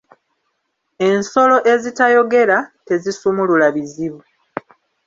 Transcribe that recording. Ensolo ezitayogera, tezisumulula bizibu.